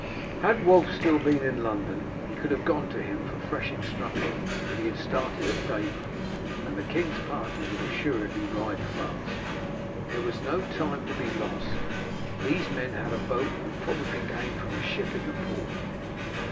Had Wulf still been in London he could have gone to him for fresh instructions, but he had started at daybreak, and the king's party would assuredly ride fast. There was no time to be lost. These men had a boat, and probably came from a ship in the port.